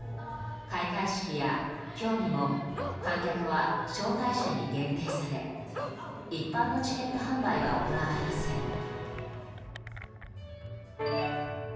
開会式や競技も観客は招待者に限定され一般のチケット販売は行われません。